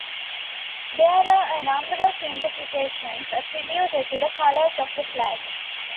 There are a number of interpretations attributed to the colours of the flag.